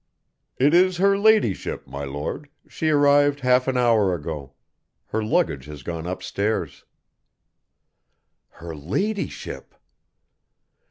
"It is her ladyship, my Lord, she arrived half an hour ago. Her luggage has gone upstairs." Her ladyship!